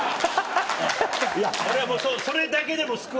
俺はもうそれだけでも救われた。